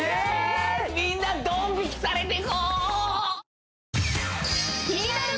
みんなドン引きされてこー！